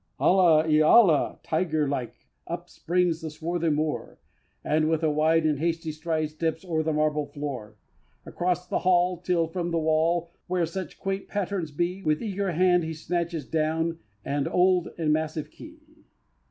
"Alla il alla!" tiger like Up springs the swarthy Moor, And, with a wide and hasty stride, Steps o'er the marble floor; Across the hall, till from the wall, Where such quaint patterns be, With eager hand he snatches down And old and massive Key!